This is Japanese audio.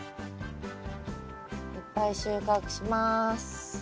いっぱい収穫します。